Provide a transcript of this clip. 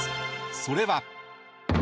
それは。